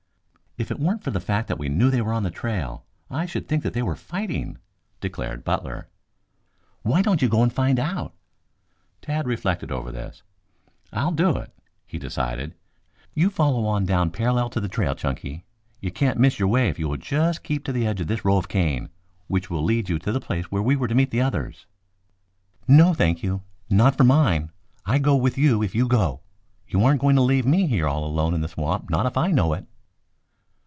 "If it weren't for the fact that we knew they were on the trail, I should think they were fighting," declared Butler. "Why don't you go and find out?" Tad reflected over this. "I'll do it," he decided. "You follow on down parallel with the trail, Chunky. You can't miss your way if you will keep just at the edge of this row of cane, which will lead you to the place where we were to meet the others." "No, thank you. Not for mine. I go with you if you go. You aren't going to leave me here all alone in the swamp, not if I know it."